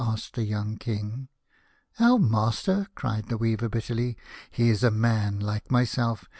" asked the young King. " Our master !" cried the weaver, bitterly. "H e is a man like myself.